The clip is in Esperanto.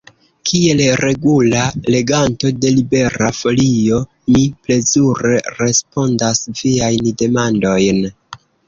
Kiel regula leganto de Libera Folio, mi plezure respondas viajn demandojn.